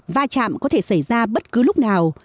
va chạm có thể xảy ra bất cứ lúc nào